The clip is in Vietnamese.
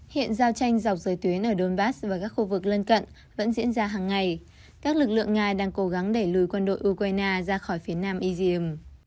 hiện giao tranh dọc giới tuyến ở donbass và các khu vực lân cận vẫn diễn ra hàng ngày các lực lượng nga đang cố gắng đẩy lùi quân đội ukraine ra khỏi phía nam easium